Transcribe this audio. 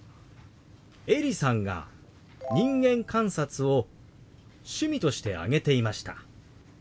エリさんが「人間観察」を趣味として挙げていました。